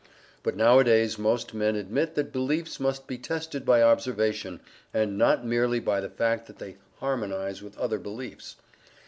But nowadays most men admit that beliefs must be tested by observation, and not merely by the fact that they harmonize with other beliefs.